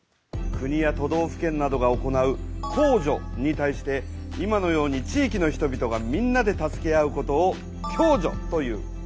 国や都道府県などが行う公助に対して今のように地域の人々がみんなで助け合うことを共助という。